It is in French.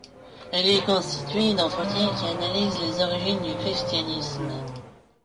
Elle est constituée d'entretiens qui analysent les origines du christianisme.